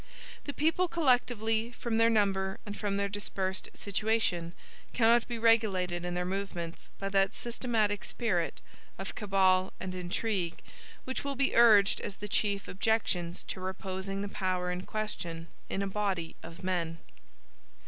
The people collectively, from their number and from their dispersed situation, cannot be regulated in their movements by that systematic spirit of cabal and intrigue, which will be urged as the chief objections to reposing the power in question in a body of men.